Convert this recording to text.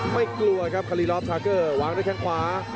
ไม่กลัวครับคารีลอฟทาเกอร์วางด้วยแข้งขวา